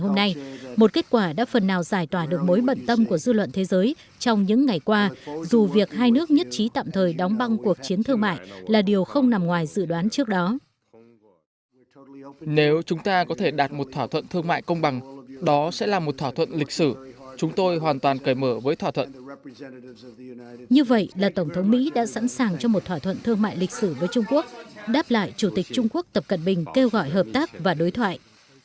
mỹ đã sẵn sàng cho một thỏa thuận thương mại lịch sử với trung quốc đáp lại chủ tịch trung quốc tập cận bình kêu gọi hợp tác và đối thoại